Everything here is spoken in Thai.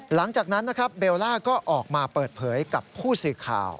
หลังจากนั้นนะครับเบลล่าก็ออกมาเปิดเผยกับผู้สื่อข่าว